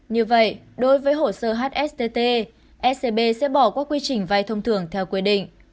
như vậy đối với hồ sơ hstt scb sẽ bỏ qua quy trình vai thông thường theo quy định